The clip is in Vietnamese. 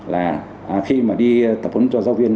là khi mà đi tập hướng cho giáo viên